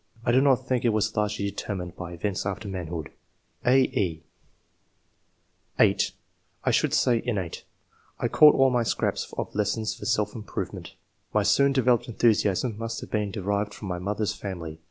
I do not think it was largely determined by events after manhood." (a, e) (8) *'I should say innate. I caught at all scraps of lessons for self improvement. My soon developed enthusiasm must have been de rived from my mother's family.